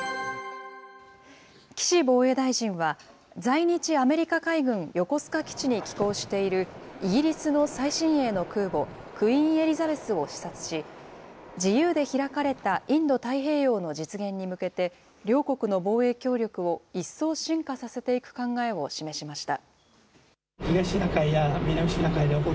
岸防衛大臣は在日アメリカ海軍横須賀基地に寄港している、イギリスの最新鋭の空母、クイーン・エリザベスを視察し、自由で開かれたインド太平洋の実現に向けて、両国の防衛協力を一層深化させていく考えを示しました。